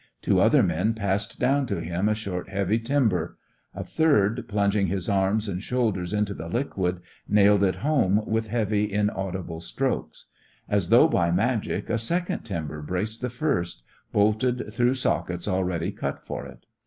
Two other men passed down to him a short heavy timber. A third, plunging his arms and shoulders into the liquid, nailed it home with heavy, inaudible strokes. As though by magic a second timber braced the first, bolted through sockets already cut for it.